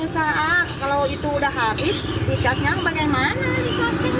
sangat susah kalau itu sudah habis ikatnya bagaimana